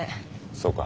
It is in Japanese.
そうか。